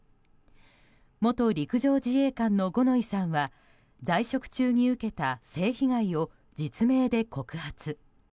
元陸上自衛官の五ノ井さんは在職中に受けた性被害を実名で告発。